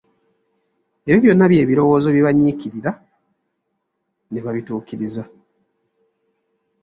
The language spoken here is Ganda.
Ebyo byonna bye birowoozo bye banyiikirira ne babituukiriza.